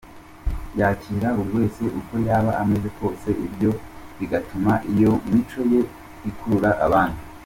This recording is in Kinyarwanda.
Yakira buri wese uko yaba ameze kose ibyo bigatuma iyo mico ye ikurura abandi.